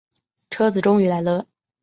车子终于来了